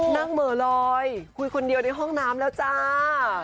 เหมือลอยคุยคนเดียวในห้องน้ำแล้วจ้า